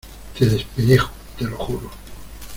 te despellejo, te lo juro.